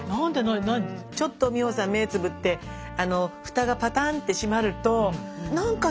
ちょっと美穂さん目つぶってフタがパタンって閉まると何かね